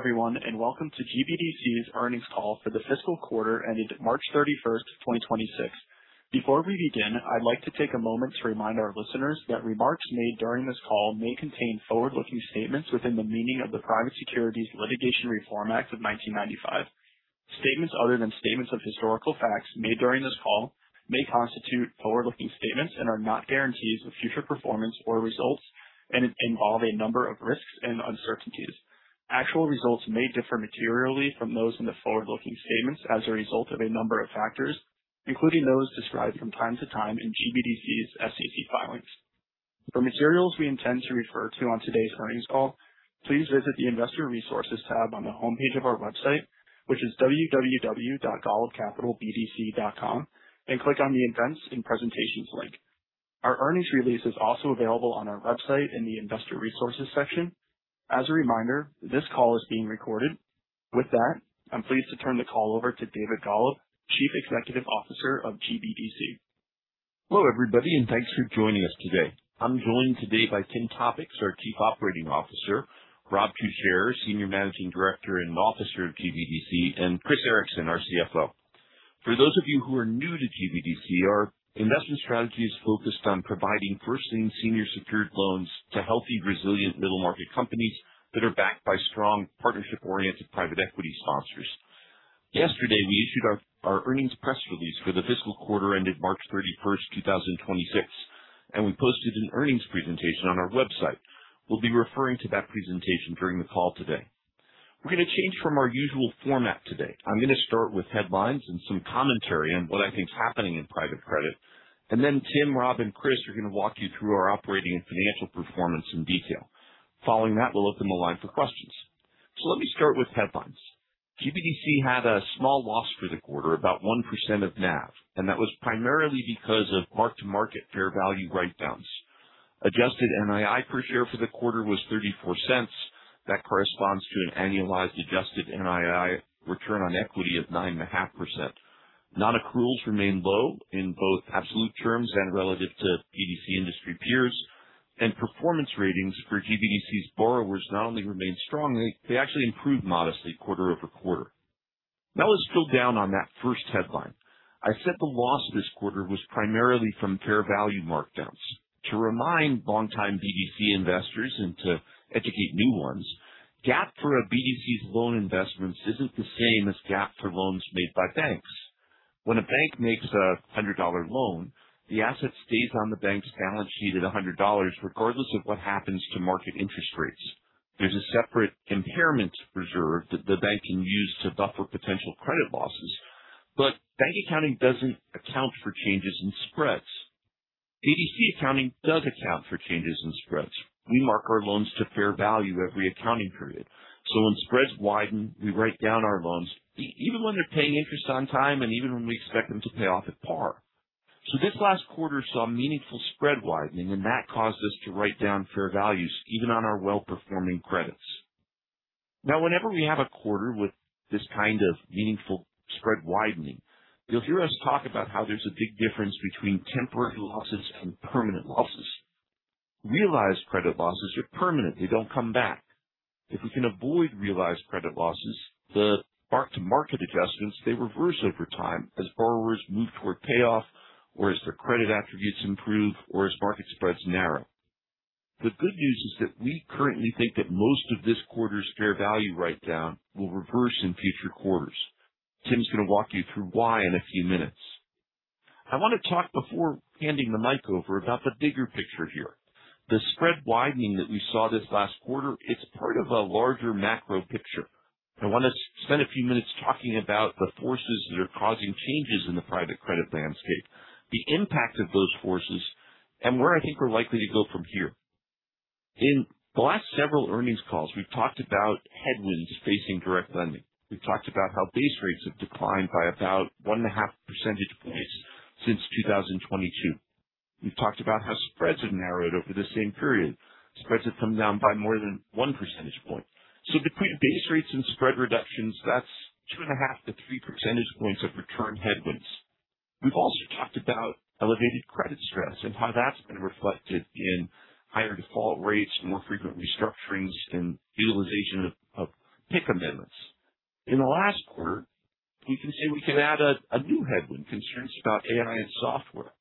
Hello everyone, welcome to GBDC's earnings call for the fiscal quarter ending March 31st, 2026. Before we begin, I'd like to take a moment to remind our listeners that remarks made during this call may contain forward-looking statements within the meaning of the Private Securities Litigation Reform Act of 1995. Statements other than statements of historical facts made during this call may constitute forward-looking statements and are not guarantees of future performance or results and involve a number of risks and uncertainties. Actual results may differ materially from those in the forward-looking statements as a result of a number of factors, including those described from time to time in GBDC's SEC filings. For materials we intend to refer to on today's earnings call, please visit the Investor Resources tab on the homepage of our website, which is www.golubcapitalbdc.com, and click on the Events and Presentations link. Our earnings release is also available on our website in the Investor Resources section. As a reminder, this call is being recorded. With that, I'm pleased to turn the call over to David Golub, Chief Executive Officer of GBDC. Hello, everybody, thanks for joining us today. I'm joined today by Tim Topicz, our Chief Operating Officer, Rob Tuchscherer, Senior Managing Director and Officer of GBDC, and Christopher Ericson, our CFO. For those of you who are new to GBDC, our investment strategy is focused on providing first lien senior secured loans to healthy, resilient middle-market companies that are backed by strong partnership-oriented private equity sponsors. Yesterday, we issued our earnings press release for the fiscal quarter ended March 31, 2026, we posted an earnings presentation on our website. We'll be referring to that presentation during the call today. We're gonna change from our usual format today. I'm gonna start with headlines and some commentary on what I think is happening in private credit, Tim, Rob, and Chris are gonna walk you through our operating and financial performance in detail. Following that, we'll open the line for questions. Let me start with headlines. GBDC had a small loss for the quarter, about 1% of NAV, and that was primarily because of mark-to-market fair value write-downs. Adjusted NII per share for the quarter was $0.34. That corresponds to an annualized adjusted NII return on equity of 9.5%. Non-accruals remain low in both absolute terms and relative to BDC industry peers. Performance ratings for GBDC's borrowers not only remained strong, they actually improved modestly QoQ. Let's drill down on that first headline. I said the loss this quarter was primarily from fair value markdowns. To remind longtime BDC investors and to educate new ones, GAAP for a BDC's loan investments isn't the same as GAAP for loans made by banks. When a bank makes a $100 loan, the asset stays on the bank's balance sheet at $100 regardless of what happens to market interest rates. There's a separate impairment reserve that the bank can use to buffer potential credit losses. Bank accounting doesn't account for changes in spreads. BDC accounting does account for changes in spreads. We mark our loans to fair value every accounting period. When spreads widen, we write down our loans even when they're paying interest on time and even when we expect them to pay off at par. This last quarter saw meaningful spread widening, and that caused us to write down fair values even on our well-performing credits. Now, whenever we have a quarter with this kind of meaningful spread widening, you'll hear us talk about how there's a big difference between temporary losses and permanent losses. Realized credit losses are permanent. They don't come back. If we can avoid realized credit losses, the mark-to-market adjustments, they reverse over time as borrowers move toward payoff or as their credit attributes improve or as market spreads narrow. The good news is that we currently think that most of this quarter's fair value write-down will reverse in future quarters. Tim's gonna walk you through why in a few minutes. I wanna talk before handing the mic over about the bigger picture here. The spread widening that we saw this last quarter, it's part of a larger macro picture. I wanna spend a few minutes talking about the forces that are causing changes in the private credit landscape, the impact of those forces, and where I think we're likely to go from here. In the last several earnings calls, we've talked about headwinds facing direct lending. We've talked about how base rates have declined by about 1.5 percentage points since 2022. We've talked about how spreads have narrowed over the same period. Spreads have come down by more than 1 percentage point. Between base rates and spread reductions, that's 2.5 percentage points-3 percentage points of return headwinds. We've also talked about elevated credit stress and how that's been reflected in higher default rates, more frequent restructurings, and utilization of PIK amendments. In the last quarter, we can say we can add a new headwind: concerns about AI and software.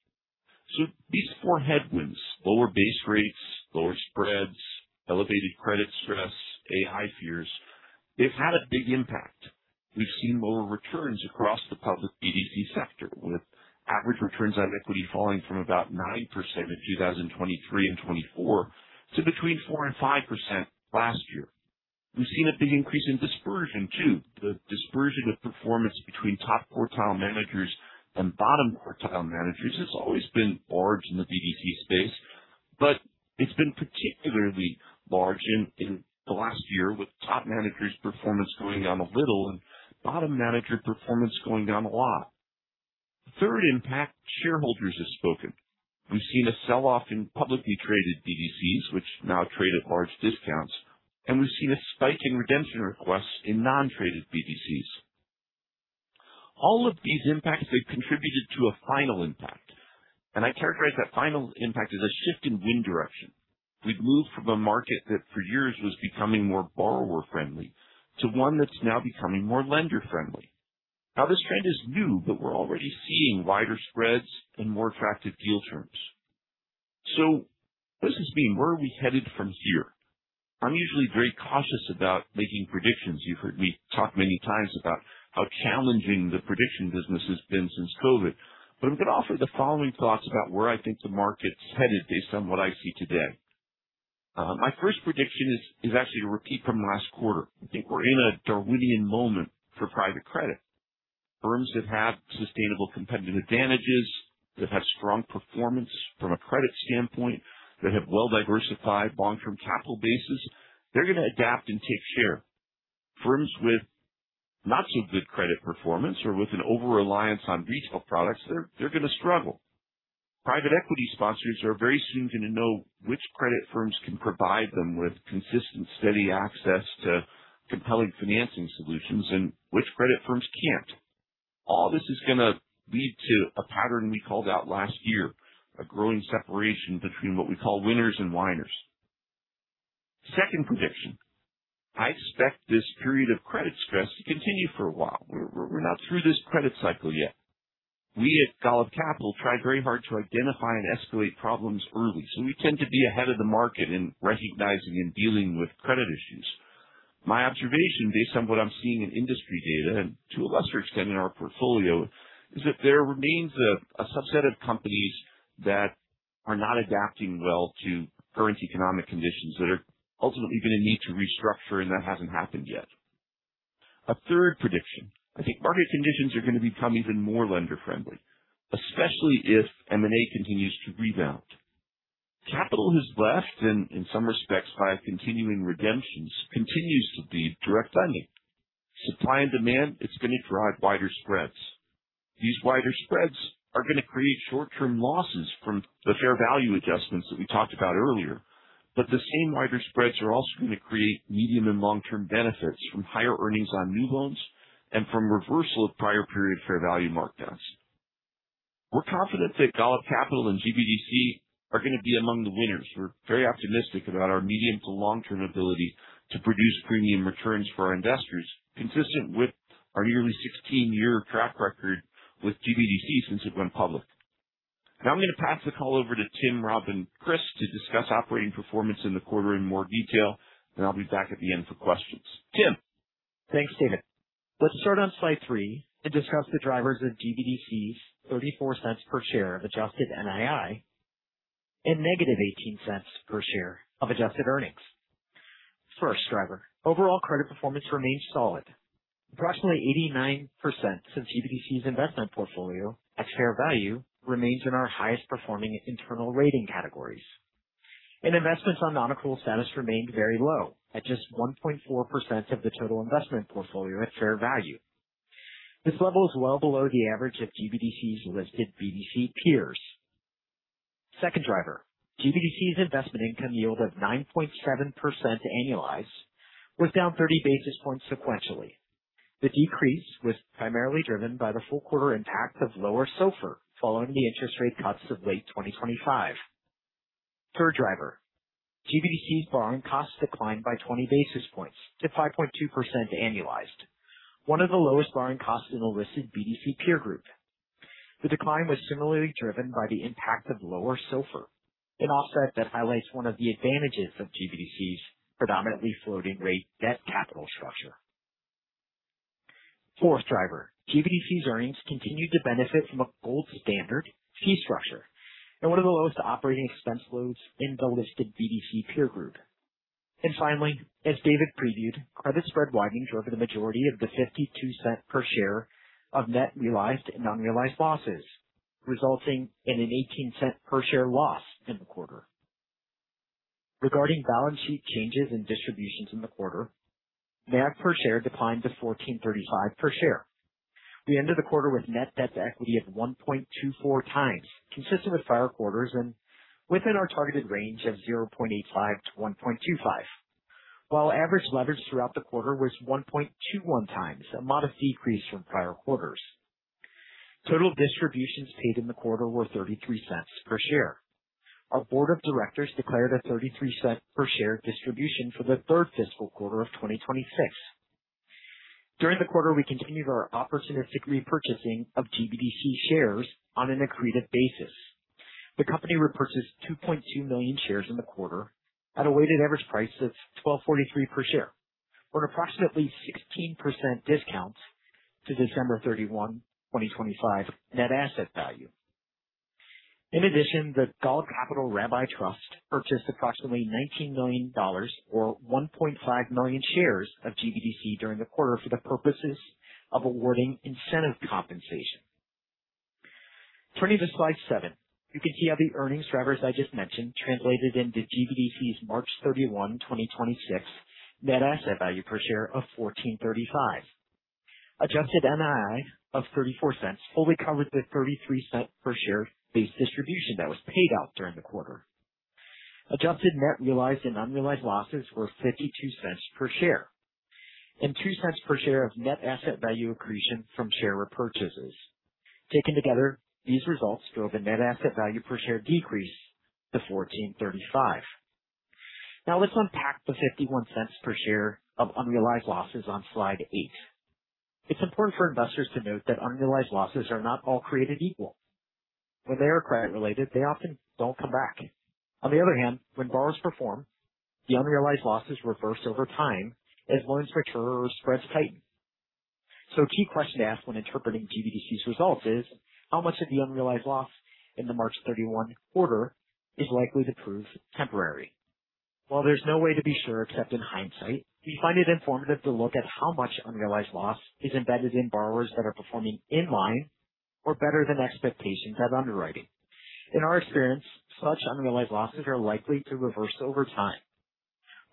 These four headwinds, lower base rates, lower spreads, elevated credit stress, AI fears, they've had a big impact. We've seen lower returns across the public BDC sector, with average returns on equity falling from about 9% in 2023 and 2024 to between 4% and 5% last year. We've seen a big increase in dispersion too. The dispersion of performance between top quartile managers and bottom quartile managers has always been large in the BDC space, but it's been particularly large in the last year, with top managers' performance going down a little and bottom manager performance going down a lot. The third impact, shareholders have spoken. We've seen a sell-off in publicly traded BDCs, which now trade at large discounts. We've seen a spike in redemption requests in non-traded BDCs. All of these impacts have contributed to a final impact. I characterize that final impact as a shift in wind direction. We've moved from a market that for years was becoming more borrower-friendly to one that's now becoming more lender-friendly. This trend is new, we're already seeing wider spreads and more attractive deal terms. What does this mean? Where are we headed from here? I'm usually very cautious about making predictions. You've heard me talk many times about how challenging the prediction business has been since COVID. I'm going to offer the following thoughts about where I think the market's headed based on what I see today. My first prediction is actually a repeat from last quarter. I think we're in a Darwinian moment for private credit. Firms that have sustainable competitive advantages, that have strong performance from a credit standpoint, that have well-diversified long-term capital bases, they're gonna adapt and take share. Firms with not-so-good credit performance or with an overreliance on retail products, they're gonna struggle. Private equity sponsors are very soon gonna know which credit firms can provide them with consistent, steady access to compelling financing solutions and which credit firms can't. All this is gonna lead to a pattern we called out last year, a growing separation between what we call winners and whiners. Second prediction. I expect this period of credit stress to continue for a while. We're not through this credit cycle yet. We at Golub Capital try very hard to identify and escalate problems early, so we tend to be ahead of the market in recognizing and dealing with credit issues. My observation, based on what I'm seeing in industry data and to a lesser extent in our portfolio, is that there remains a subset of companies that are not adapting well to current economic conditions that are ultimately going to need to restructure, and that hasn't happened yet. A third prediction. I think market conditions are gonna become even more lender-friendly, especially if M&A continues to rebound. Capital has left and in some respects, via continuing redemptions, continues to leave direct lending. Supply and demand is going to drive wider spreads. These wider spreads are gonna create short-term losses from the fair value adjustments that we talked about earlier. The same wider spreads are also going to create medium and long-term benefits from higher earnings on new loans and from reversal of prior period fair value markdowns. We're confident that Golub Capital and GBDC are gonna be among the winners. We're very optimistic about our medium to long-term ability to produce premium returns for our investors, consistent with our nearly 16-year track record with GBDC since it went public. Now I'm gonna pass the call over to Tim, Rob, and Chris to discuss operating performance in the quarter in more detail, then I'll be back at the end for questions. Tim. Thanks, David. Let's start on slide three and discuss the drivers of GBDC's $0.34 per share of adjusted NII and -$0.18 per share of adjusted earnings. First driver. Overall credit performance remains solid. Approximately 89% of GBDC's investment portfolio at fair value remains in our highest performing internal rating categories. Investments on non-accrual status remained very low at just 1.4% of the total investment portfolio at fair value. This level is well below the average of GBDC's listed BDC peers. Second driver. GBDC's investment income yield of 9.7% annualized was down 30 basis points sequentially. The decrease was primarily driven by the full quarter impact of lower SOFR following the interest rate cuts of late 2025. Third driver. GBDC's borrowing costs declined by 20 basis points to 5.2% annualized, one of the lowest borrowing costs in the listed BDC peer group. The decline was similarly driven by the impact of lower SOFR, an offset that highlights one of the advantages of GBDC's predominantly floating rate debt capital structure. Fourth driver. GBDC's earnings continued to benefit from a gold standard fee structure and one of the lowest operating expense loads in the listed BDC peer group. Finally, as David previewed, credit spread widening drove the majority of the $0.52 per share of net realized and non-realized losses, resulting in an $0.18 per share loss in the quarter. Regarding balance sheet changes and distributions in the quarter, NAV per share declined to $14.35 per share. We ended the quarter with net debt to equity of 1.24x, consistent with prior quarters and within our targeted range of 0.85 to 1.25. While average leverage throughout the quarter was 1.21x, a modest decrease from prior quarters. Total distributions paid in the quarter were $0.33 per share. Our board of directors declared a $0.33 per share distribution for the third fiscal quarter of 2026. During the quarter, we continued our opportunistic repurchasing of GBDC shares on an accretive basis. The company repurchased 2.2 million shares in the quarter at a weighted average price of $12.43 per share on approximately 16% discount to December 31st, 2025 net asset value. In addition, the Golub Capital Rabbi Trust purchased approximately $19 million, or 1.5 million shares of GBDC during the quarter for the purposes of awarding incentive compensation. Turning to slide seven, you can see how the earnings drivers I just mentioned translated into GBDC's March 31st, 2026 net asset value per share of $14.35. Adjusted NII of $0.34 fully covered the $0.33 per share base distribution that was paid out during the quarter. Adjusted net realized and unrealized losses were $0.52 per share and $0.02 per share of net asset value accretion from share repurchases. Taken together, these results drove a net asset value per share decrease to $14.35. Now let's unpack the $0.51 per share of unrealized losses on slide eight. It's important for investors to note that unrealized losses are not all created equal. When they are credit related, they often don't come back. When borrowers perform, the unrealized losses reverse over time as loans mature or spreads tighten. A key question to ask when interpreting GBDC's results is, how much of the unrealized loss in the March 31st quarter is likely to prove temporary? While there's no way to be sure except in hindsight, we find it informative to look at how much unrealized loss is embedded in borrowers that are performing in line or better than expectations at underwriting. In our experience, such unrealized losses are likely to reverse over time.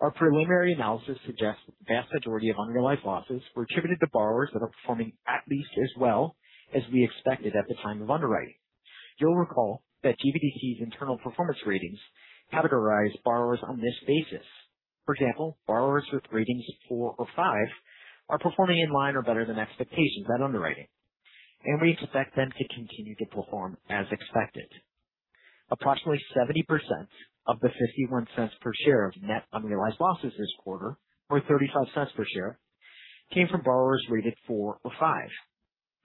Our preliminary analysis suggests the vast majority of unrealized losses were attributed to borrowers that are performing at least as well as we expected at the time of underwriting. You'll recall that GBDC's internal performance ratings categorize borrowers on this basis. For example, borrowers with ratings four or five are performing in line or better than expectations at underwriting, and we expect them to continue to perform as expected. Approximately 70% of the $0.51 per share of net unrealized losses this quarter, or $0.35 per share, came from borrowers rated four or five.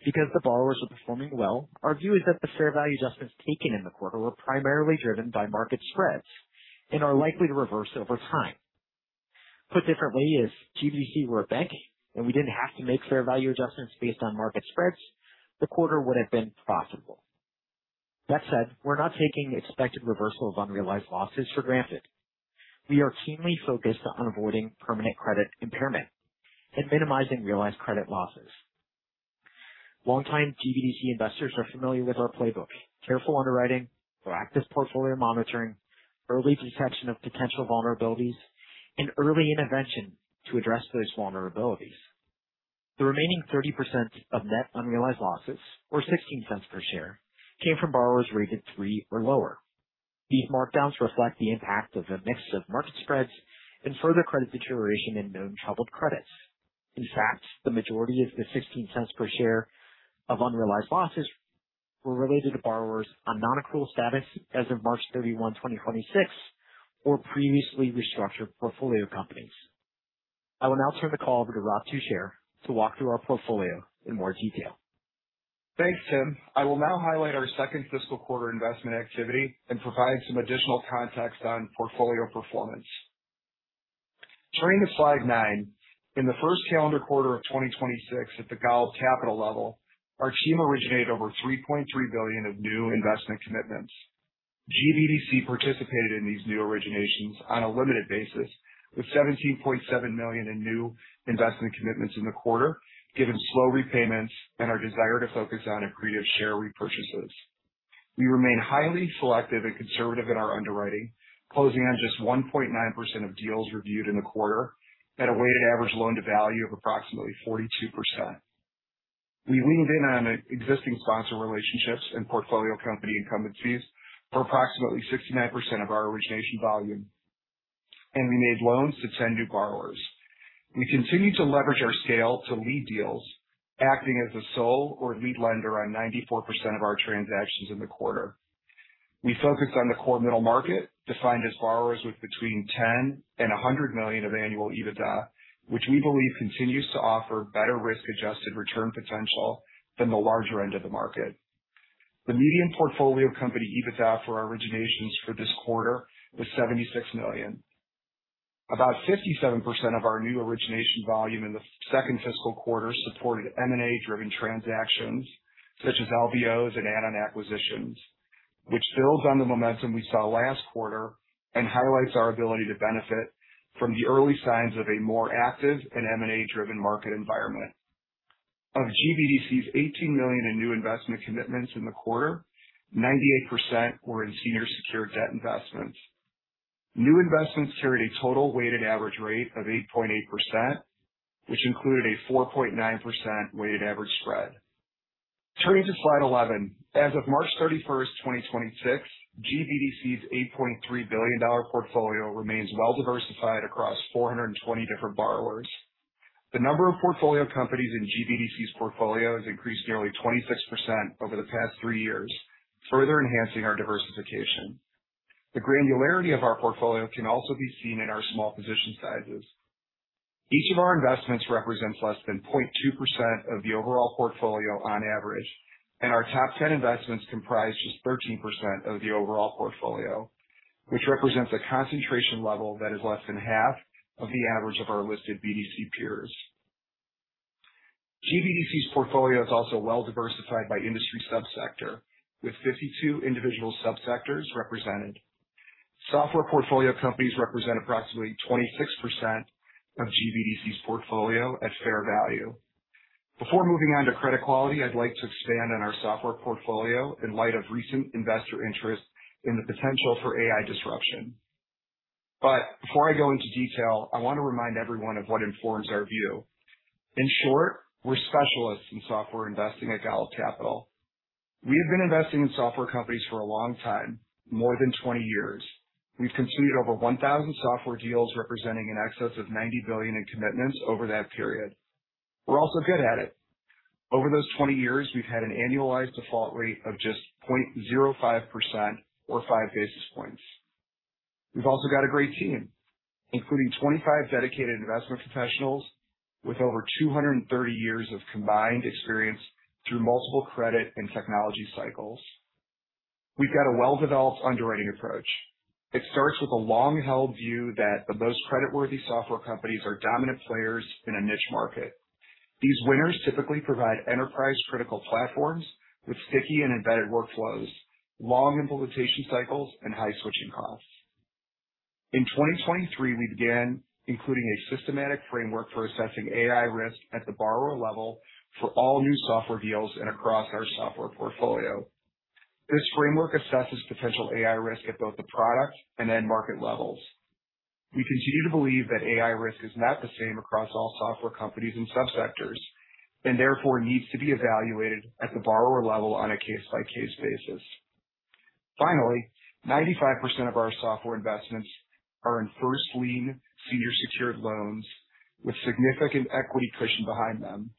Because the borrowers are performing well, our view is that the fair value adjustments taken in the quarter were primarily driven by market spreads and are likely to reverse over time. Put differently, if GBDC were a bank and we didn't have to make fair value adjustments based on market spreads, the quarter would have been profitable. That said, we're not taking expected reversal of unrealized losses for granted. We are keenly focused on avoiding permanent credit impairment and minimizing realized credit losses. Longtime GBDC investors are familiar with our playbook. Careful underwriting, proactive portfolio monitoring, early detection of potential vulnerabilities, and early intervention to address those vulnerabilities. The remaining 30% of net unrealized losses, or $0.16 per share, came from borrowers rated three or lower. These markdowns reflect the impact of a mix of market spreads and further credit deterioration in known troubled credits. In fact, the majority of the $0.16 per share of unrealized losses were related to borrowers on non-accrual status as of March 31st, 2026, or previously restructured portfolio companies. I will now turn the call over to Rob Tuchscherer to walk through our portfolio in more detail. Thanks, Tim. I will now highlight our 2nd fiscal quarter investment activity and provide some additional context on portfolio performance. Turning to slide nine. In the 1st calendar quarter of 2026 at the Golub Capital level, our team originated over $3.3 billion of new investment commitments. GBDC participated in these new originations on a limited basis, with $17.7 million in new investment commitments in the quarter, given slow repayments and our desire to focus on accretive share repurchases. We remain highly selective and conservative in our underwriting, closing on just 1.9% of deals reviewed in the quarter at a weighted average loan-to-value of approximately 42%. We leaned in on existing sponsor relationships and portfolio company incumbencies for approximately 69% of our origination volume, and we made loans to 10 new borrowers. We continue to leverage our scale to lead deals, acting as the sole or lead lender on 94% of our transactions in the quarter. We focused on the core middle market, defined as borrowers with between $10 million and $100 million of annual EBITDA, which we believe continues to offer better risk-adjusted return potential than the larger end of the market. The median portfolio company EBITDA for our originations for this quarter was $76 million. About 57% of our new origination volume in the second fiscal quarter supported M&A driven transactions such as LBOs and add-on acquisitions, which builds on the momentum we saw last quarter and highlights our ability to benefit from the early signs of a more active and M&A-driven market environment. Of GBDC's $18 million in new investment commitments in the quarter, 98% were in senior secured debt investments. New investments carried a total weighted average rate of 8.8%, which included a 4.9% weighted average spread. Turning to slide 11. As of March 31st, 2026, GBDC's $8.3 billion portfolio remains well-diversified across 420 different borrowers. The number of portfolio companies in GBDC's portfolio has increased nearly 26% over the past three years, further enhancing our diversification. The granularity of our portfolio can also be seen in our small position sizes. Each of our investments represents less than 0.2% of the overall portfolio on average, and our top 10 investments comprise just 13% of the overall portfolio, which represents a concentration level that is less than half of the average of our listed BDC peers. GBDC's portfolio is also well diversified by industry subsector, with 52 individual subsectors represented. Software portfolio companies represent approximately 26% of GBDC's portfolio at fair value. Before moving on to credit quality, I'd like to expand on our software portfolio in light of recent investor interest in the potential for AI disruption. Before I go into detail, I want to remind everyone of what informs our view. In short, we're specialists in software investing at Golub Capital. We have been investing in software companies for a long time, more than 20 years. We've completed over 1,000 software deals representing an excess of $90 billion in commitments over that period. We're also good at it. Over those 20 years, we've had an annualized default rate of just 0.05% or 5 basis points. We've also got a great team, including 25 dedicated investment professionals with over 230 years of combined experience through multiple credit and technology cycles. We've got a well-developed underwriting approach. It starts with a long-held view that the most creditworthy software companies are dominant players in a niche market. These winners typically provide enterprise critical platforms with sticky and embedded workflows, long implementation cycles, and high switching costs. In 2023, we began including a systematic framework for assessing AI risk at the borrower level for all new software deals and across our software portfolio. This framework assesses potential AI risk at both the product and end market levels. We continue to believe that AI risk is not the same across all software companies and subsectors, and therefore needs to be evaluated at the borrower level on a case-by-case basis. Finally, 95% of our software investments are in first lien senior secured loans with significant equity cushion behind them.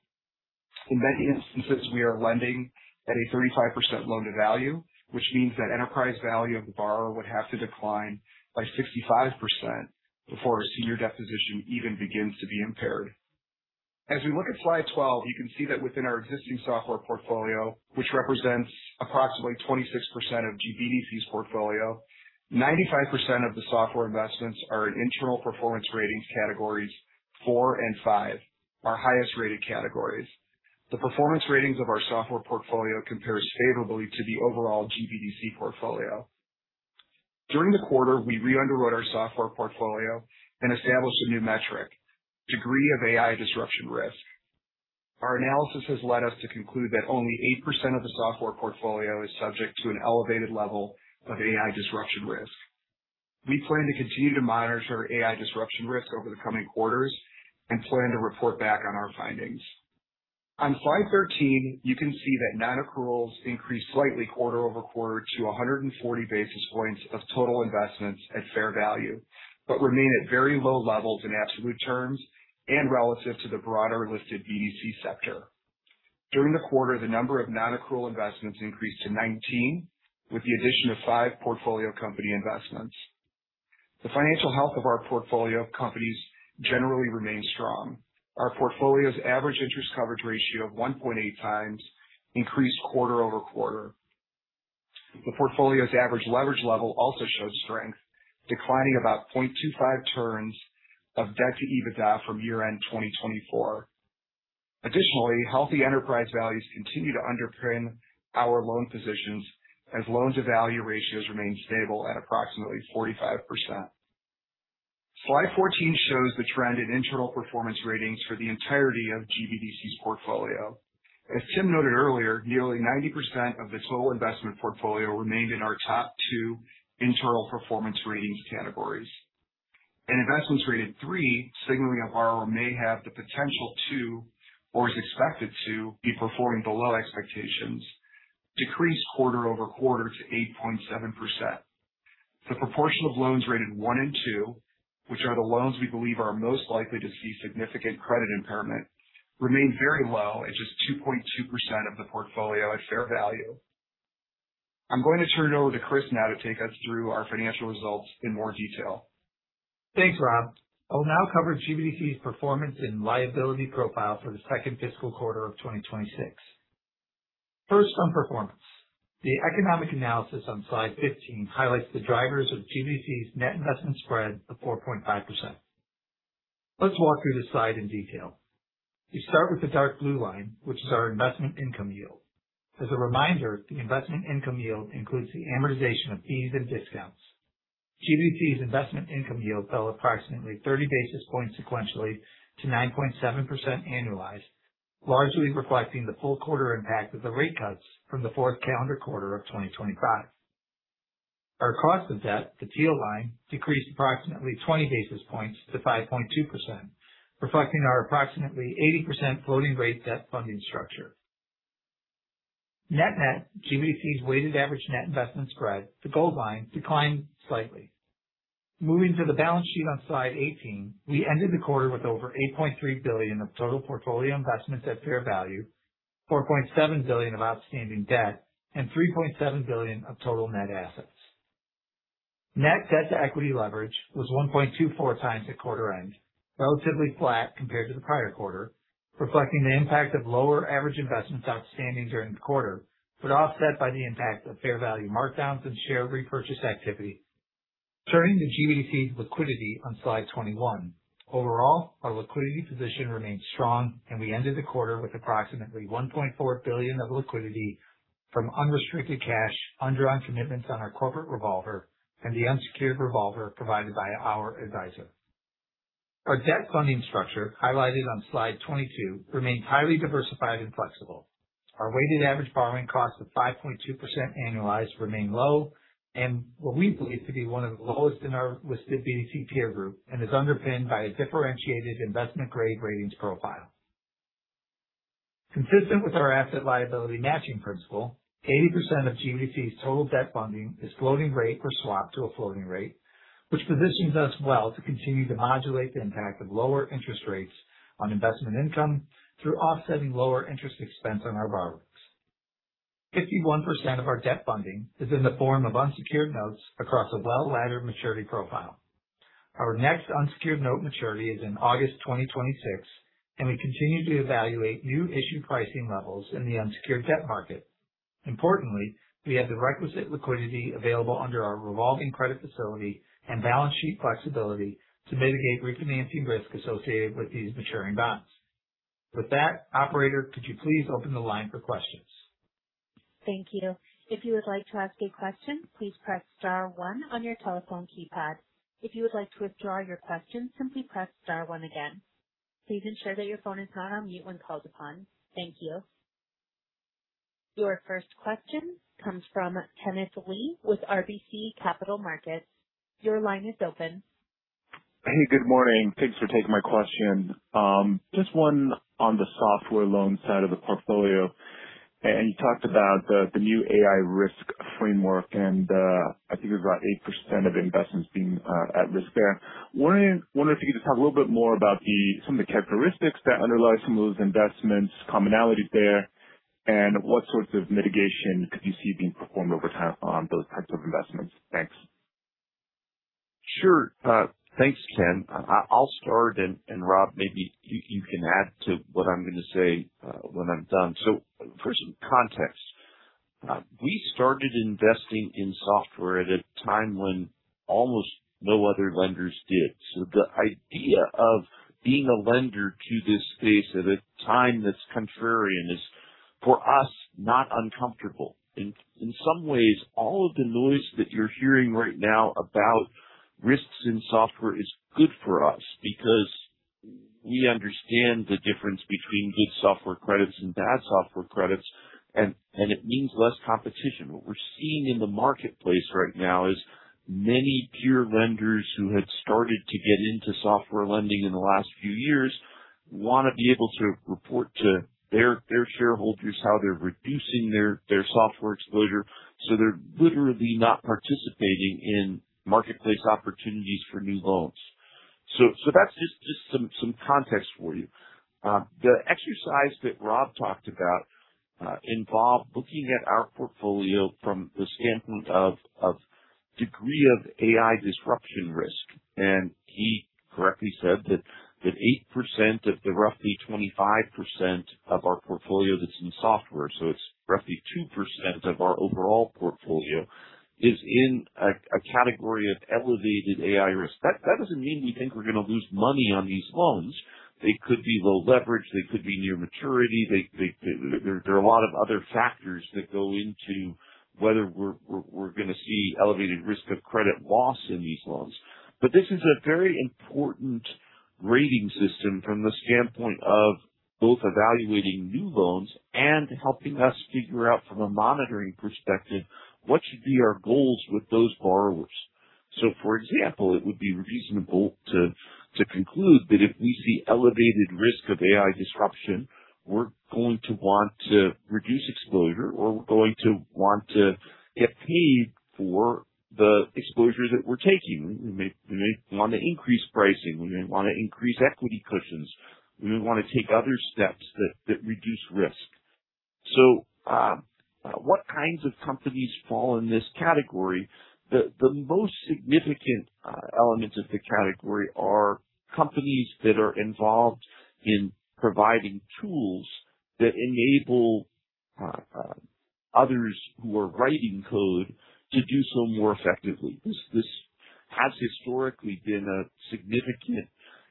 In many instances, we are lending at a 35% loan-to-value, which means that enterprise value of the borrower would have to decline by 65% before a senior debt position even begins to be impaired. As we look at slide 12, you can see that within our existing software portfolio, which represents approximately 26% of GBDC's portfolio, 95% of the software investments are in internal performance ratings categories four and five, our highest rated categories. The performance ratings of our software portfolio compares favorably to the overall GBDC portfolio. During the quarter, we re-underwrote our software portfolio and established a new metric, degree of AI disruption risk. Our analysis has led us to conclude that only 8% of the software portfolio is subject to an elevated level of AI disruption risk. We plan to continue to monitor AI disruption risk over the coming quarters and plan to report back on our findings. On slide 13, you can see that non-accruals increased slightly QoQ to 140 basis points of total investments at fair value, but remain at very low levels in absolute terms and relative to the broader listed BDC sector. During the quarter, the number of non-accrual investments increased to 19, with the addition of five portfolio company investments. The financial health of our portfolio companies generally remained strong. Our portfolio's average interest coverage ratio of 1.8x increased QoQ. The portfolio's average leverage level also showed strength, declining about 0.25 turns of debt to EBITDA from year-end 2024. Additionally, healthy enterprise values continue to underpin our loan positions as loan-to-value ratios remain stable at approximately 45%. Slide 14 shows the trend in internal performance ratings for the entirety of GBDC's portfolio. As Tim noted earlier, nearly 90% of the total investment portfolio remained in our top two internal performance ratings categories. Investments rated three, signaling a borrower may have the potential to or is expected to be performing below expectations, decreased QoQ to 8.7%. The proportion of loans rated one and two, which are the loans we believe are most likely to see significant credit impairment, remained very low at just 2.2% of the portfolio at fair value. I'm going to turn it over to Chris now to take us through our financial results in more detail. Thanks, Rob. I'll now cover GBDC's performance and liability profile for the second fiscal quarter of 2026. First, on performance. The economic analysis on slide 15 highlights the drivers of GBDC's net investment spread of 4.5%. Let's walk through this slide in detail. We start with the dark blue line, which is our investment income yield. As a reminder, the investment income yield includes the amortization of fees and discounts. GBDC's investment income yield fell approximately 30 basis points sequentially to 9.7% annualized, largely reflecting the full quarter impact of the rate cuts from the fourth calendar quarter of 2025. Our cost of debt, the teal line, decreased approximately 20 basis points to 5.2%, reflecting our approximately 80% floating rate debt funding structure. Net-net, GBDC's weighted average net investment spread, the gold line, declined slightly. Moving to the balance sheet on slide 18. We ended the quarter with over $8.3 billion of total portfolio investments at fair value, $4.7 billion of outstanding debt, and $3.7 billion of total net assets. Net debt to equity leverage was 1.24x at quarter end, relatively flat compared to the prior quarter, reflecting the impact of lower average investments outstanding during the quarter, but offset by the impact of fair value markdowns and share repurchase activity. Turning to GBDC's liquidity on slide 21. Overall, our liquidity position remains strong and we ended the quarter with approximately $1.4 billion of liquidity from unrestricted cash, undrawn commitments on our corporate revolver and the unsecured revolver provided by our advisor. Our debt funding structure highlighted on slide 22 remains highly diversified and flexible. Our weighted average borrowing cost of 5.2% annualized remain low and what we believe to be one of the lowest in our listed BDC peer group and is underpinned by a differentiated investment grade ratings profile. Consistent with our asset liability matching principle, 80% of GBDC's total debt funding is floating rate or swapped to a floating rate, which positions us well to continue to modulate the impact of lower interest rates on investment income through offsetting lower interest expense on our borrowings. 51% of our debt funding is in the form of unsecured notes across a well-laddered maturity profile. Our next unsecured note maturity is in August 2026. We continue to evaluate new issue pricing levels in the unsecured debt market. Importantly, we have the requisite liquidity available under our revolving credit facility and balance sheet flexibility to mitigate refinancing risk associated with these maturing bonds. With that, operator, could you please open the line for questions? Thank you. If you would like to ask a question please press star one on your telephone keypad. If you would like to withdraw your questions, simply press star one again. Please ensure that your phone is not on mute when called upon. Thank you. Your first question comes from Kenneth Lee with RBC Capital Markets. Your line is open. Hey, good morning. Thanks for taking my question. Just one on the software loan side of the portfolio. You talked about the new AI risk framework, and I think it was about 8% of investments being at risk there. Wondering if you could just talk a little bit more about some of the characteristics that underlie some of those investments, commonalities there, and what sorts of mitigation could you see being performed over time on those types of investments. Thanks. Sure. Thanks, Ken. I'll start, and Rob, maybe you can add to what I'm gonna say when I'm done. For some context, we started investing in software at a time when almost no other lenders did. The idea of being a lender to this space at a time that's contrarian is, for us, not uncomfortable. In some ways, all of the noise that you're hearing right now about risks in software is good for us because we understand the difference between good software credits and bad software credits and it means less competition. What we're seeing in the marketplace right now is many peer lenders who had started to get into software lending in the last few years wanna be able to report to their shareholders how they're reducing their software exposure. They're literally not participating in marketplace opportunities for new loans. That's just some context for you. The exercise that Rob talked about involved looking at our portfolio from the standpoint of degree of AI disruption risk. He correctly said that 8% of the roughly 25% of our portfolio that's in software, so it's roughly 2% of our overall portfolio, is in a category of elevated AI risk. That doesn't mean we think we're gonna lose money on these loans. They could be low leverage. They could be near maturity. There are a lot of other factors that go into whether we're gonna see elevated risk of credit loss in these loans. This is a very important rating system from the standpoint of both evaluating new loans and helping us figure out from a monitoring perspective what should be our goals with those borrowers. For example, it would be reasonable to conclude that if we see elevated risk of AI disruption, we're going to want to reduce exposure, or we're going to want to get paid for the exposure that we're taking. We may want to increase pricing. We may want to increase equity cushions. We may want to take other steps that reduce risk. What kinds of companies fall in this category? The most significant elements of the category are companies that are involved in providing tools that enable others who are writing code to do so more effectively. This has historically been a significant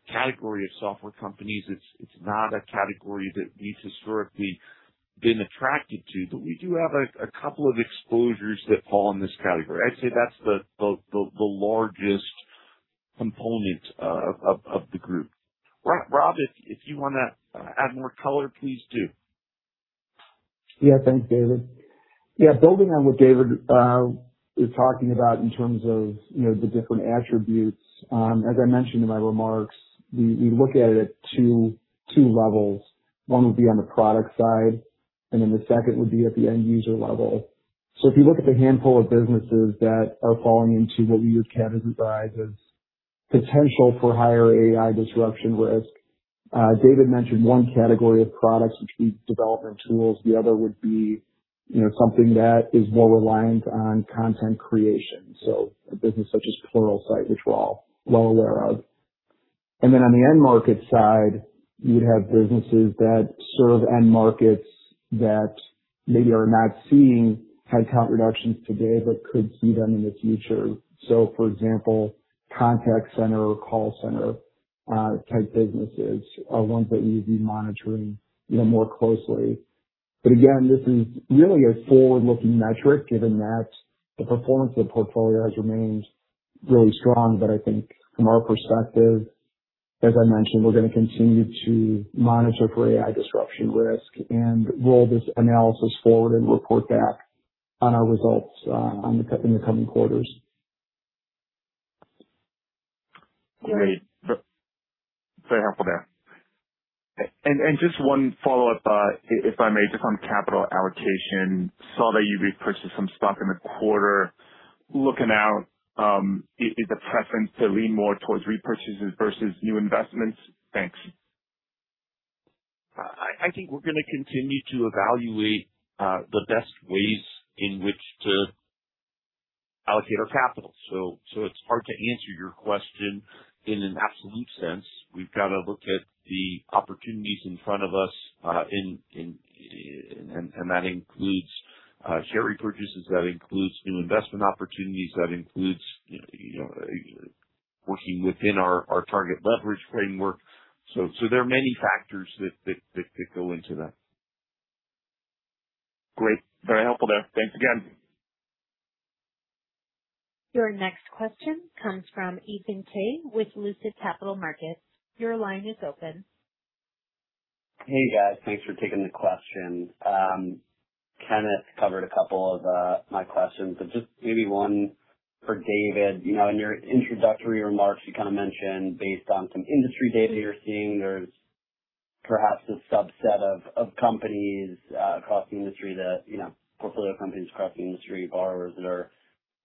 category of software companies. It's not a category that we've historically been attracted to, but we do have a couple of exposures that fall in this category. I'd say that's the largest component of the group. Rob, if you wanna add more color, please do. Yeah. Thanks, David. Building on what David is talking about in terms of, you know, the different attributes, as I mentioned in my remarks, we look at it at two levels. One would be on the product side, the second would be at the end user level. If you look at the handful of businesses that are falling into what we would categorize as potential for higher AI disruption risk, David mentioned one category of products, which is development tools. The other would be, you know, something that is more reliant on content creation. A business such as Pluralsight, which we're all well aware of. On the end market side, you'd have businesses that serve end markets that maybe are not seeing headcount reductions today but could see them in the future. For example, contact center or call center, type businesses are ones that we'd be monitoring, you know, more closely. Again, this is really a forward-looking metric given that the performance of the portfolio has remained really strong. I think from our perspective, as I mentioned, we're gonna continue to monitor for AI disruption risk and roll this analysis forward and report back on our results in the coming quarters. Great. Very helpful there. Just one follow-up, if I may, just on capital allocation. Saw that you repurchased some stock in the quarter. Looking out, is the preference to lean more towards repurchases versus new investments? Thanks. I think we're gonna continue to evaluate the best ways in which to allocate our capital. It's hard to answer your question in an absolute sense. We've got to look at the opportunities in front of us, and that includes share repurchases. That includes new investment opportunities. That includes, you know, working within our target leverage framework. There are many factors that go into that. Great. Very helpful there. Thanks again. Your next question comes from Ethan Kaye with Lucid Capital Markets. Your line is open. Hey, guys. Thanks for taking the question. Kenneth covered a couple of my questions, but just maybe one for David. You know, in your introductory remarks, you kind of mentioned, based on some industry data you're seeing, there's perhaps a subset of companies across the industry that, you know, portfolio companies across the industry, borrowers that are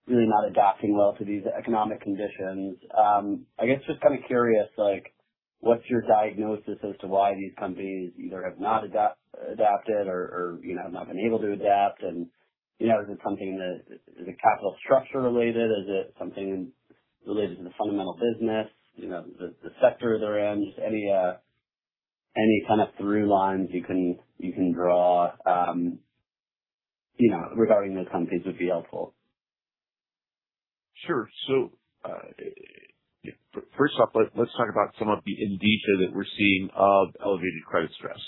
really not adapting well to these economic conditions. I guess just kind of curious, like, what's your diagnosis as to why these companies either have not adapted or, you know, have not been able to adapt? You know, is it capital structure related? Is it something related to the fundamental business, you know, the sector they're in? Just any kind of through lines you can draw, you know, regarding those companies would be helpful. Sure. First off, let's talk about some of the indicia that we're seeing of elevated credit stress.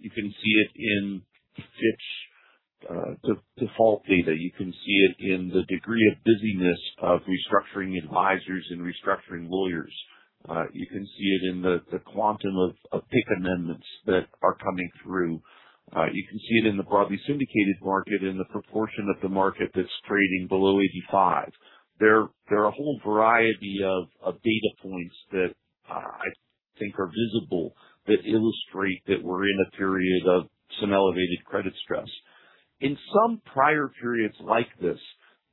You can see it in Fitch default data. You can see it in the degree of busyness of restructuring advisors and restructuring lawyers. You can see it in the quantum of PIK amendments that are coming through. You can see it in the broadly syndicated market, in the proportion of the market that's trading below 85. There are a whole variety of data points that I think are visible that illustrate that we're in a period of some elevated credit stress. In some prior periods like this,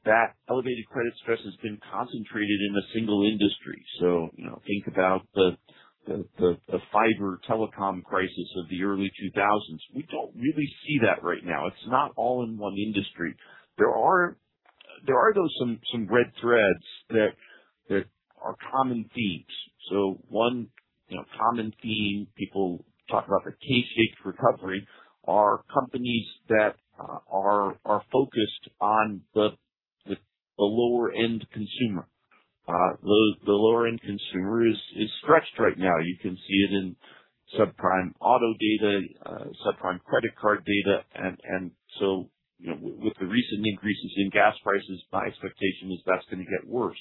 that elevated credit stress has been concentrated in a single industry. You know, think about the fiber telecom crisis of the early 2000s. We don't really see that right now. It's not all in one industry. There are, though, some red threads that are common themes. One, you know, common theme people talk about, the K-shaped recovery, are companies that are focused on the lower-end consumer. The lower-end consumer is stretched right now. You can see it in subprime auto data, subprime credit card data. You know, with the recent increases in gas prices, my expectation is that's gonna get worse.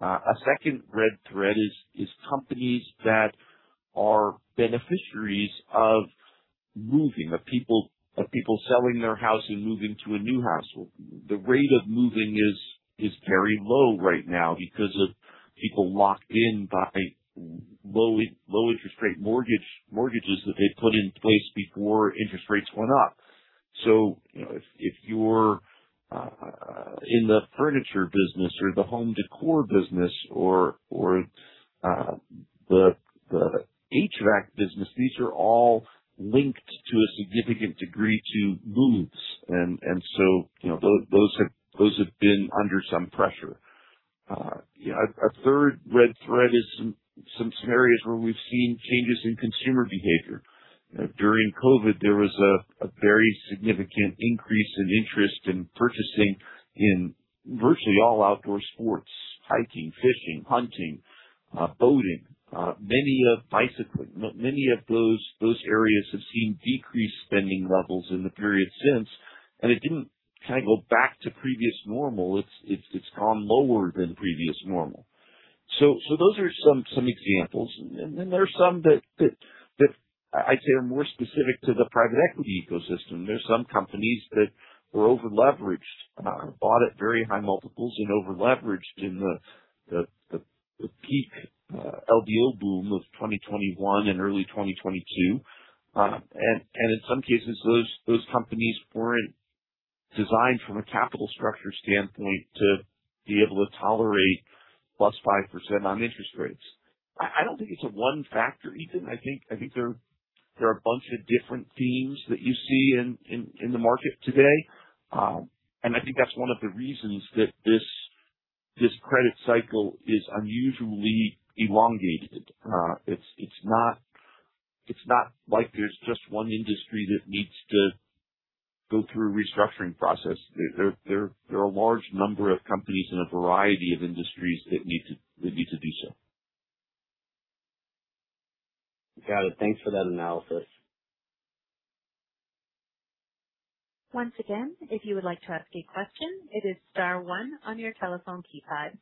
A second red thread is companies that are beneficiaries of moving, of people selling their house and moving to a new house. The rate of moving is very low right now because of people locked in by low interest rate mortgages that they put in place before interest rates went up. You know, if you're in the furniture business or the home decor business or the HVAC business, these are all linked to a significant degree to moves. You know, those have been under some pressure. You know, a third red thread is some scenarios where we've seen changes in consumer behavior. You know, during COVID, there was a very significant increase in interest in purchasing in virtually all outdoor sports: hiking, fishing, hunting, boating, bicycling. Many of those areas have seen decreased spending levels in the period since, and it didn't kind of go back to previous normal. It's gone lower than previous normal. Those are some examples. There are some that I'd say are more specific to the private equity ecosystem. There are some companies that were overleveraged, bought at very high multiples and overleveraged in the peak LBO boom of 2021 and early 2022. In some cases, those companies weren't designed from a capital structure standpoint to be able to tolerate +5% on interest rates. I don't think it's a one factor, Ethan. I think there are a bunch of different themes that you see in the market today. I think that's one of the reasons that this credit cycle is unusually elongated. It's not like there's just one industry that needs to go through a restructuring process. There are a large number of companies in a variety of industries that need to do so. Got it. Thanks for that analysis. Once again, if you would like to ask a question, it is star one on your telephone keypad.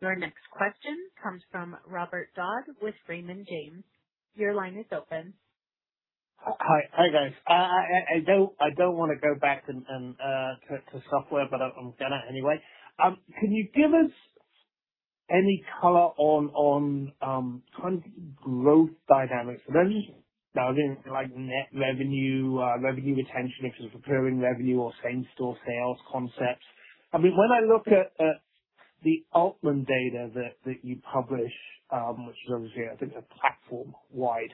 Your next question comes from Robert Dodd with Raymond James. Your line is open. Hi. Hi, guys. I don't wanna go back and to software, but I'm gonna anyway. Can you give us any color on kind of growth dynamics? I mean, I think like net revenue retention, if it's recurring revenue or same-store sales concepts. I mean, when I look at the Altman data that you publish, which is obviously, I think, a platform-wide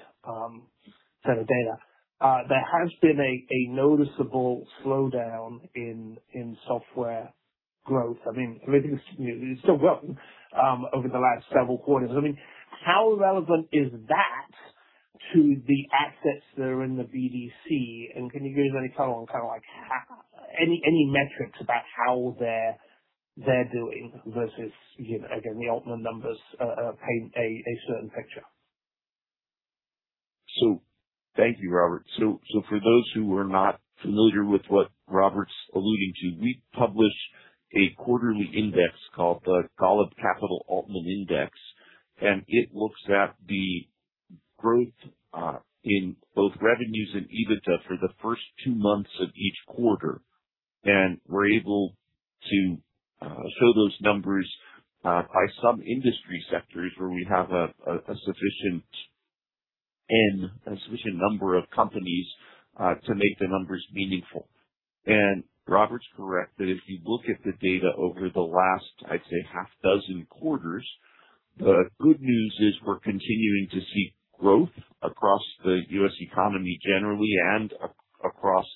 set of data, there has been a noticeable slowdown in software growth. I mean, it's still growing over the last several quarters. I mean, how relevant is that to the assets that are in the BDC, and can you give any color on kinda like any metrics about how they're doing versus, you know, again, the Altman numbers paint a certain picture. Thank you, Robert. For those who are not familiar with what Robert is alluding to, we publish a quarterly index called the Golub Capital Altman Index, and it looks at the growth in both revenues and EBITDA for the first two months of each quarter. We are able to show those numbers by some industry sectors where we have a sufficient number of companies to make the numbers meaningful. Robert is correct that if you look at the data over the last, I would say, half dozen quarters, the good news is we are continuing to see growth across the U.S. economy generally and across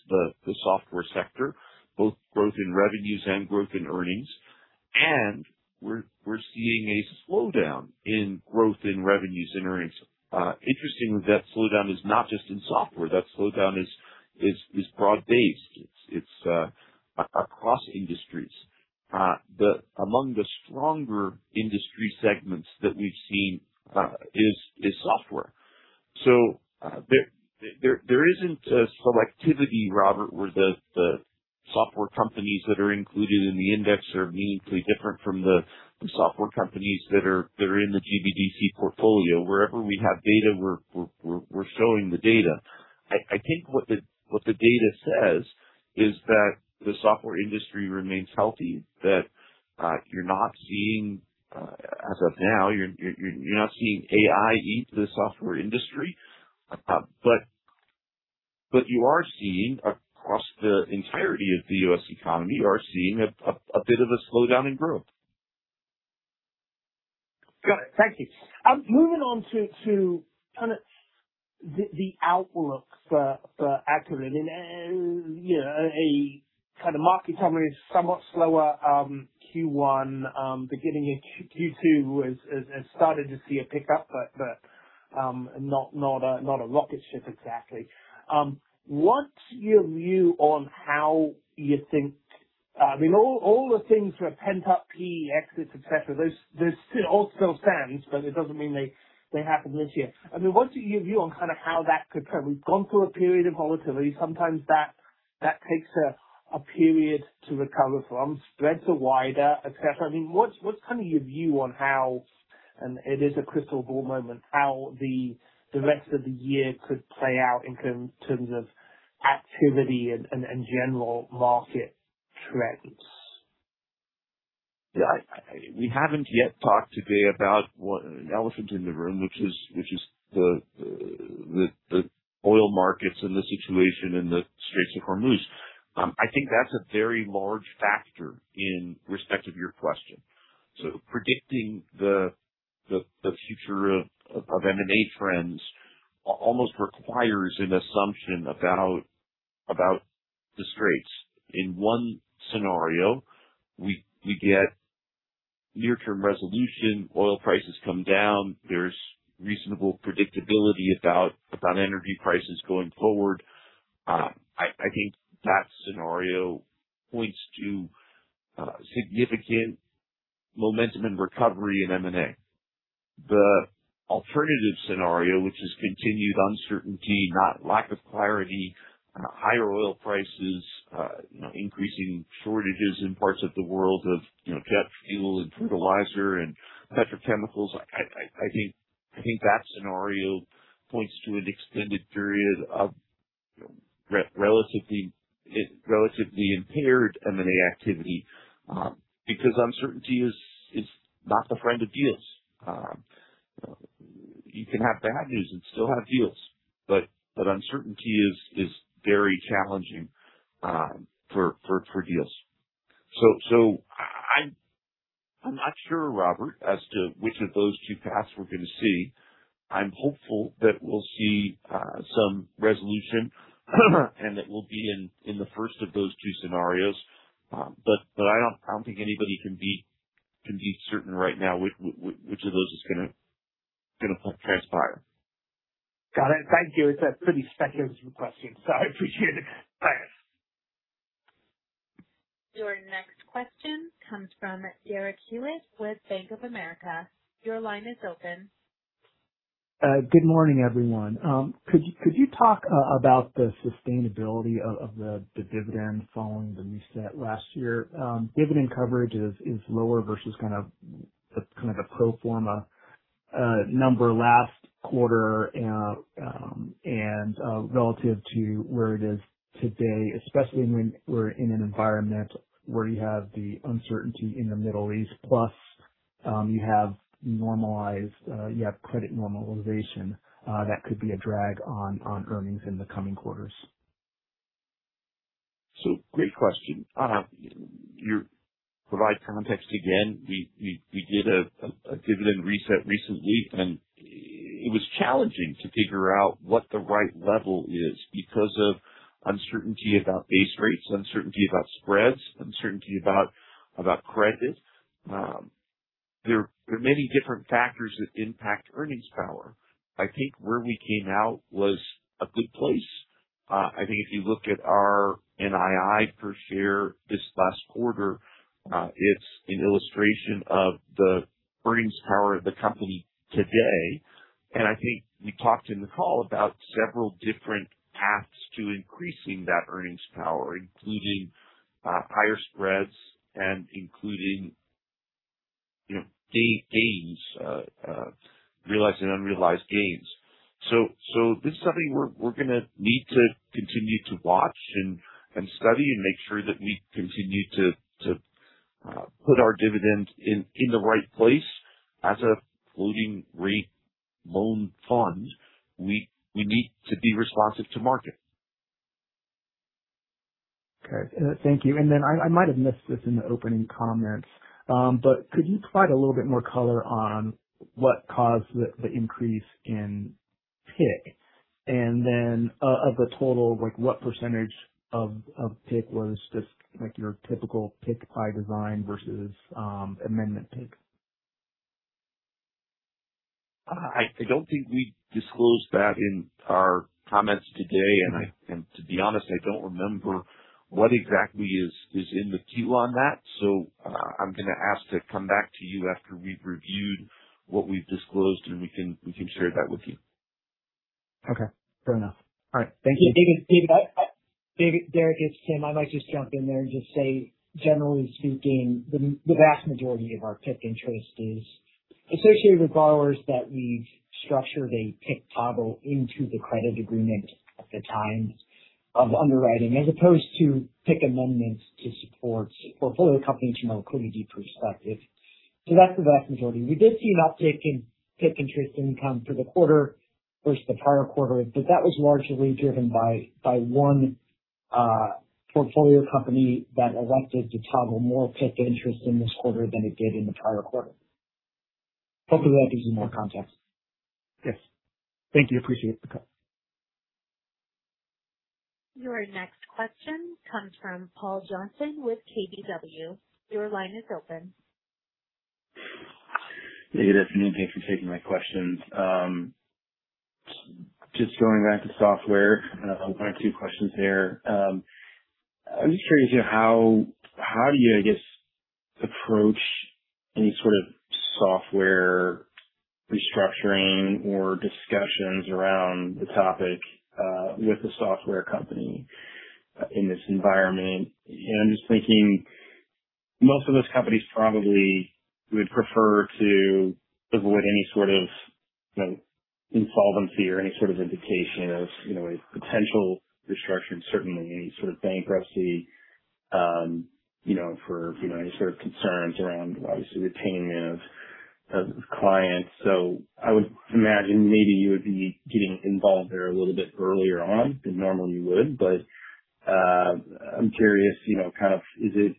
the software sector, both growth in revenues and growth in earnings. We are seeing a slowdown in growth in revenues and earnings. Interestingly, that slowdown is not just in software. That slowdown is broad-based. It's across industries. Among the stronger industry segments that we've seen is software. There isn't a selectivity, Robert, where the software companies that are included in the index are meaningfully different from the software companies that are in the GBDC portfolio. Wherever we have data, we're showing the data. I think what the data says is that the software industry remains healthy, that you're not seeing, as of now, you're not seeing AI eat the software industry. You are seeing across the entirety of the U.S. economy, you are seeing a bit of a slowdown in growth. Got it. Thank you. Moving on to kind of the outlook for origination. You know, a kind of market summary, somewhat slower Q1. Beginning in Q2 has started to see a pickup, but not a rocket ship exactly. What's your view on how you think, I mean, all the things were pent up, PE exits, et cetera. Those still all still stands, but it doesn't mean they happen this year. I mean, what's your view on kind of how that could trend? We've gone through a period of volatility. Sometimes that takes a period to recover from. Spreads are wider, et cetera. I mean, what's kind of your view on how, and it is a crystal ball moment, how the rest of the year could play out in terms of activity and general market trends? Yeah. We haven't yet talked today about what an elephant in the room, which is the oil markets and the situation in the Straits of Hormuz. I think that's a very large factor in respect of your question. Predicting the future of M&A trends almost requires an assumption about the Straits. In one scenario, we get near-term resolution, oil prices come down. There's reasonable predictability about energy prices going forward. I think that scenario points to significant momentum and recovery in M&A. The alternative scenario, which is continued uncertainty, not lack of clarity, higher oil prices, you know, increasing shortages in parts of the world of, you know, jet fuel and fertilizer and petrochemicals. I think that scenario points to an extended period of relatively impaired M&A activity, because uncertainty is not the friend of deals. You can have bad news and still have deals, but uncertainty is very challenging for deals. I'm not sure, Robert, as to which of those two paths we're gonna see. I'm hopeful that we'll see some resolution, and that we'll be in the first of those two scenarios. I don't think anybody can be certain right now which of those is gonna transpire. Got it. Thank you. It's a pretty speculative question, so I appreciate it. Bye. Your next question comes from Derek Hewitt with Bank of America. Your line is open. Good morning, everyone. Could you talk about the sustainability of the dividend following the reset last year? Dividend coverage is lower versus kind of. That's kind of a pro forma number last quarter. Relative to where it is today, especially when we're in an environment where you have the uncertainty in the Middle East, plus you have credit normalization, that could be a drag on earnings in the coming quarters. Great question. You provide context again. We did a dividend reset recently, and it was challenging to figure out what the right level is because of uncertainty about base rates, uncertainty about spreads, uncertainty about credit. There are many different factors that impact earnings power. I think where we came out was a good place. I think if you look at our NII per share this last quarter, it's an illustration of the earnings power of the company today. I think we talked in the call about several different paths to increasing that earnings power, including higher spreads and including, you know, gains, realized and unrealized gains. This is something we're gonna need to continue to watch and study and make sure that we continue to put our dividend in the right place as a floating rate loan fund. We need to be responsive to market. Okay. Thank you. I might have missed this in the opening comments, but could you provide a little bit more color on what caused the increase in PIK? Of the total, like what percentage of PIK was just like your typical PIK by design versus amendment PIK? I don't think we disclosed that in our comments today. To be honest, I don't remember what exactly is in the Q on that. I'm gonna ask to come back to you after we've reviewed what we've disclosed, and we can share that with you. Okay, fair enough. All right. Thank you. David, Derek, it's Tim. I might just jump in there and just say, generally speaking, the vast majority of our PIK interest is associated with borrowers that we've structured a PIK toggle into the credit agreement at the time of underwriting, as opposed to PIK amendments to support portfolio companies from a community perspective. That's the vast majority. We did see an uptick in PIK interest income for the quarter versus the prior quarter. That was largely driven by one portfolio company that elected to toggle more PIK interest in this quarter than it did in the prior quarter. Hopefully that gives you more context. Yes. Thank you. Appreciate the color. Your next question comes from Paul Johnson with KBW. Your line is open. Hey, good afternoon. Thanks for taking my questions. Just going back to software, one or two questions there. I'm just curious, you know, how do you, I guess, approach any sort of software restructuring or discussions around the topic with the software company in this environment? I'm just thinking most of those companies probably would prefer to avoid any sort of, you know, insolvency or any sort of indication of, you know, a potential restructuring, certainly any sort of bankruptcy, you know, for, you know, any sort of concerns around obviously retaining of clients. I would imagine maybe you would be getting involved there a little bit earlier on than normal you would. I'm curious, you know, kind of is it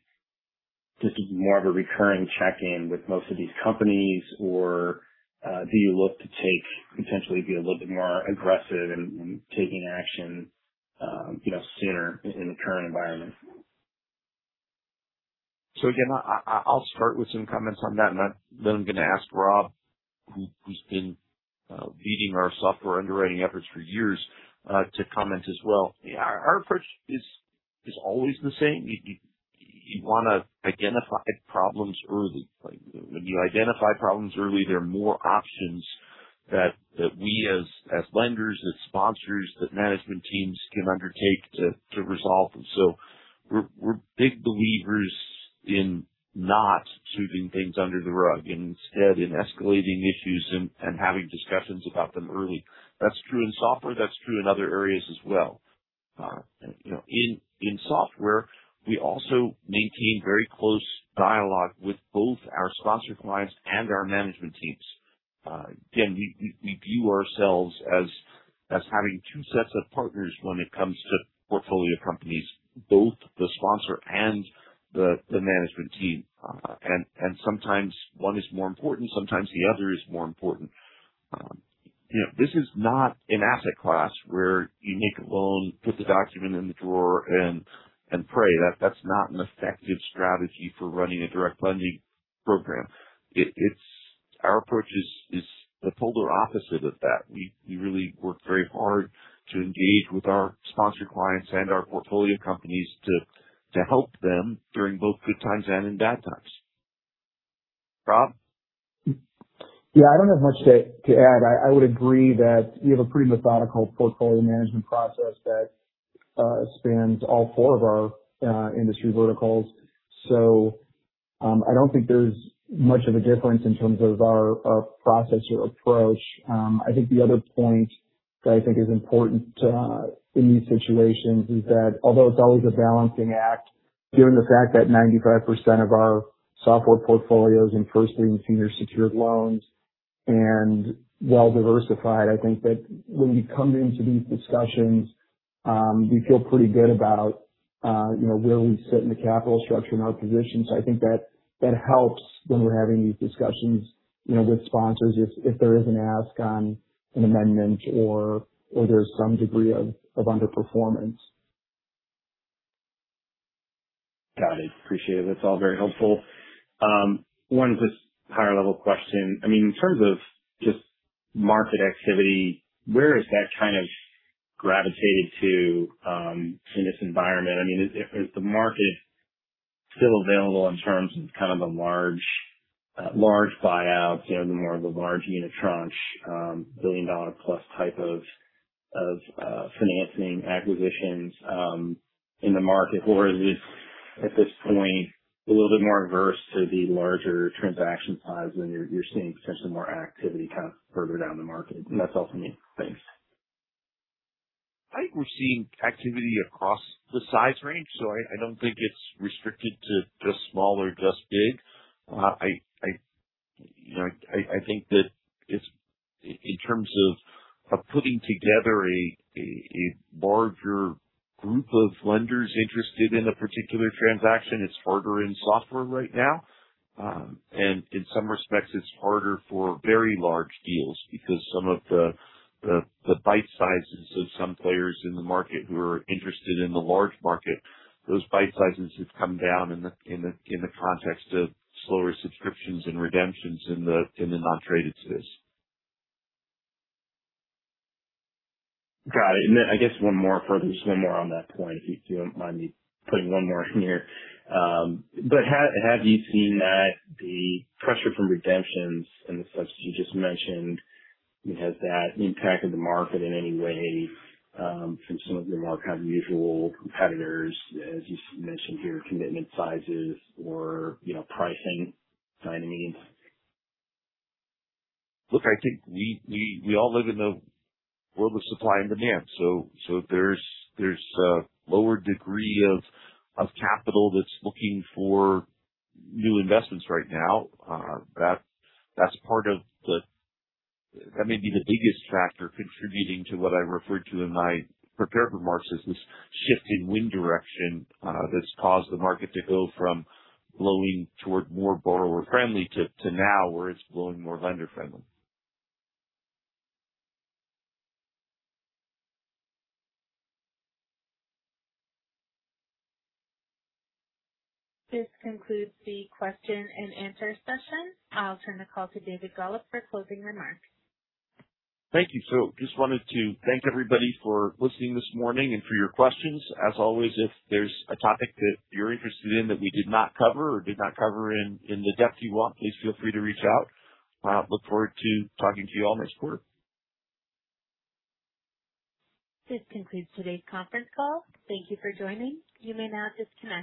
just more of a recurring check-in with most of these companies, or do you look to take potentially be a little bit more aggressive in taking action, you know, sooner in the current environment? Again, I'll start with some comments on that, and then I'm going to ask Rob, who's been leading our software underwriting efforts for years, to comment as well. Our approach is always the same. You want to identify problems early. Like when you identify problems early, there are more options that we as lenders, as sponsors, that management teams can undertake to resolve them. We're big believers in not sweeping things under the rug and instead in escalating issues and having discussions about them early. That's true in software. That's true in other areas as well. You know, in software, we also maintain very close dialogue with both our sponsor clients and our management teams. Again, we view ourselves as having two sets of partners when it comes to portfolio companies, both the sponsor and the management team. And sometimes one is more important, sometimes the other is more important. You know, this is not an asset class where you make a loan, put the document in the drawer and pray. That's not an effective strategy for running a direct lending program. Our approach is the polar opposite of that. We really work very hard to engage with our sponsor clients and our portfolio companies to help them during both good times and in bad times. Rob? Yeah, I don't have much to add. I would agree that we have a pretty methodical portfolio management process that. Spans all four of our industry verticals. I don't think there's much of a difference in terms of our process or approach. I think the other point that I think is important in these situations is that although it's always a balancing act, given the fact that 95% of our software portfolio is in first lien senior secured loans and well diversified, I think that when we come into these discussions, we feel pretty good about, you know, where we sit in the capital structure and our position. I think that helps when we're having these discussions, you know, with sponsors, if there is an ask on an amendment or there's some degree of underperformance. Got it. Appreciate it. That's all very helpful. One just higher level question. I mean, in terms of just market activity, where is that kind of gravitated to in this environment? I mean, is the market still available in terms of kind of a large buyouts, you know, the more of a large unitranche, $1 billion+ type of financing acquisitions in the market? Or is it at this point a little bit more adverse to the larger transaction size, and you're seeing potentially more activity kind of further down the market? That's all for me. Thanks. I think we're seeing activity across the size range, I don't think it's restricted to just small or just big. I, you know, I think that in terms of putting together a, a larger group of lenders interested in a particular transaction, it's harder in software right now. In some respects, it's harder for very large deals because some of the bite sizes of some players in the market who are interested in the large market, those bite sizes have come down in the context of slower subscriptions and redemptions in the non-traded space. Got it. Then I guess one more further. Just one more on that point, if you don't mind me putting one more in here. Have you seen that the pressure from redemptions and the stuff that you just mentioned, I mean, has that impacted the market in any way from some of your more kind of usual competitors, as you mentioned here, commitment sizes or, you know, pricing dynamics? Look, I think we all live in a world of supply and demand. There's a lower degree of capital that's looking for new investments right now. That may be the biggest factor contributing to what I referred to in my prepared remarks as this shift in wind direction that's caused the market to go from blowing toward more borrower friendly to now where it's blowing more lender friendly. This concludes the question and answer session. I'll turn the call to David Golub for closing remarks. Thank you. Just wanted to thank everybody for listening this morning and for your questions. As always, if there's a topic that you're interested in that we did not cover or did not cover in the depth you want, please feel free to reach out. Look forward to talking to you all next quarter. This concludes today's conference call. Thank you for joining. You may now disconnect.